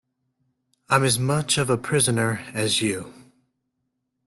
I'm as much a prisoner as you.